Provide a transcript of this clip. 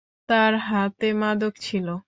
তার হাতে মাদক ছিল।